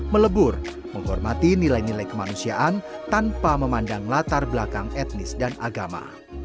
melebur menghormati nilai nilai kemanusiaan tanpa memandang latar belakang etnis dan agama